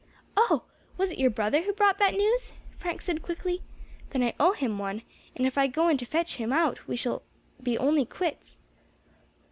"Oh! was it your brother who brought that news?" Frank said quickly; "then I owe him one, and if I go in to fetch him out we shall be only quits."